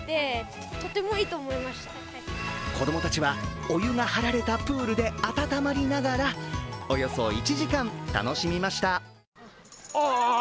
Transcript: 子どもたちはお湯が張られたプールで温まりながらおよそ１時間楽しみました。